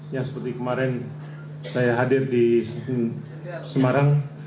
yang seperti kemarin saya hadir di semarang